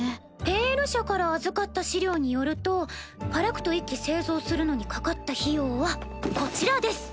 「ペイル社」から預かった資料によるとファラクト１機製造するのにかかった費用はこちらです。